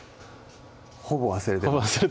ほぼ忘れてました